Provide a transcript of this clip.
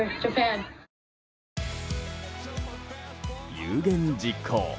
有言実行。